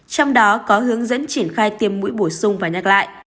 trong đó có hướng dẫn triển khai tiêm mũi bổ sung và nhắc lại